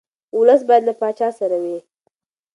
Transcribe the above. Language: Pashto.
ولس باید له پاچا سره وي.